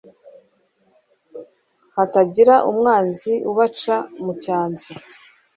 hatagira umwanzi ubaca mu cyanzu. f